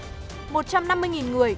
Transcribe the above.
một trăm năm mươi người được ubnd tỉnh duyệt